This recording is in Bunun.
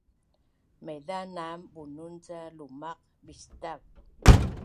Maiza nam Bunun ca lumaq bistav